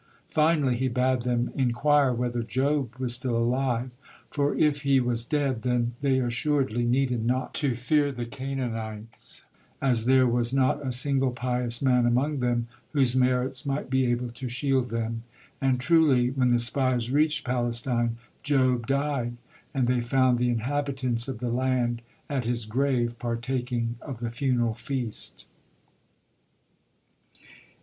Finally he bade them inquire whether Job was still alive, for if he was dead, then they assuredly needed not to fear the Canaanites, as there was not a single pious man among them whose merits might be able to shield them. And truly when the spies reached Palestine, Job died, and they found the inhabitants of the land at his grave, partaking of the funeral feast.